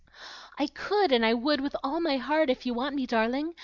"I could and I would with all my heart, if you want me, darling!